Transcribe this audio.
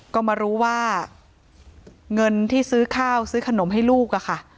ก็มารู้ว่าเงินที่ซื้อข้าวซื้อขนมให้ลูกอะค่ะ